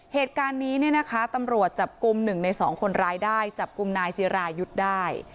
เหตุการณ์นี้เนี่ยนะคะตำรวจจับกลุ่ม๑ใน๒คนร้ายได้จับกลุ่มนายจิรายุทธ์ได้